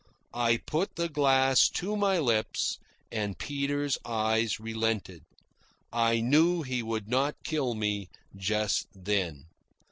I put the glass to my lips, and Peter's eyes relented. I knew he would not kill me just then.